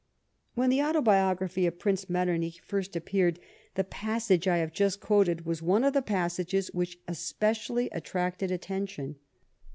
When the Autohiograpliy of Frince Metternich first appeared, the passage I have just quoted was one of the passages which especially „ attracted attention.